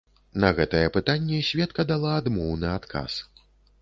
На гэтае пытанне сведка дала адмоўны адказ.